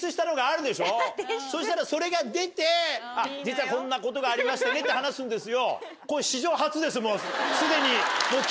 そしたらそれが出て実はこんなことがありましてねって話すんですよ。